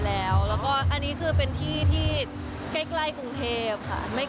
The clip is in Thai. อันนี้เป็นที่เขาใหญ่ใช่มั้ย